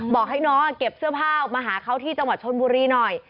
บอกให้น้องเก็บเสื้อผ้ามาหาเขาที่จังหวัดชนบุรีหน่อย